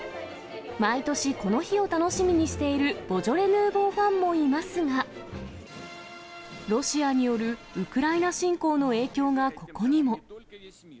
毎年、この日を楽しみにしているボジョレ・ヌーボーファンもいますが、ロシアによるウクライナ侵攻の影響がここにも。